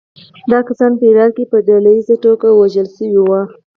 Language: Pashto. دا کسان په هرات کې په ډلییزه توګه وژل شوي وو.